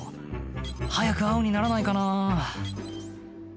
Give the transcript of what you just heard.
「早く青にならないかな」